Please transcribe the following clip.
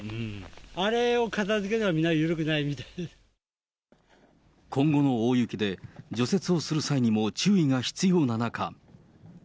あれを片づけるのが、今後の大雪で、除雪をする際にも注意が必要な中。